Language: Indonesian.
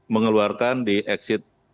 mengeluarkan di exit